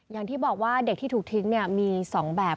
อย่างที่บอกว่าเด็กที่ถูกทิ้งมี๒แบบ